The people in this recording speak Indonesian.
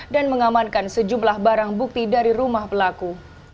dan mengamankan sejumlah barang bukti dari rumah pelaku